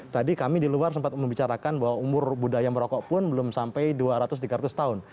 tadi kami di luar sempat membicarakan bahwa umur budaya merokok pun belum sampai dua ratus tiga ratus tahun